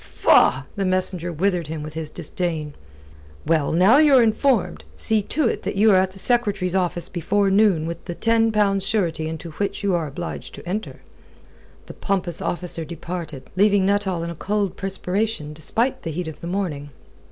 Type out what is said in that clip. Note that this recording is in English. "Faugh!" The messenger withered him with his disdain. "Well, now you're informed. See to it that you are at the Secretary's office before noon with the ten pounds surety into which you are obliged to enter." The pompous officer departed, leaving Nuttall in a cold perspiration despite the heat of the morning.